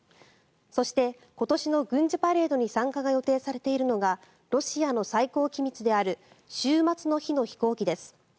そして、今年の軍事パレードに参加が予定されているのがロシアの最高機密である終末の日の飛行機です。